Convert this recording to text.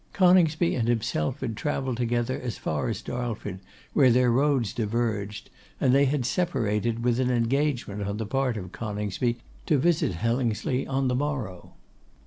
Coningsby and himself had travelled together as far as Darlford, where their roads diverged, and they had separated with an engagement on the part of Coningsby to visit Hellingsley on the morrow.